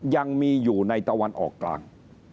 ยังมีอยู่ในตะวันออกกลาง